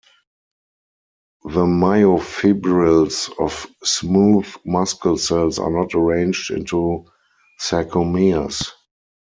The myofibrils of smooth muscle cells are not arranged into sarcomeres.